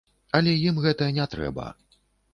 Але ім гэта не трэба.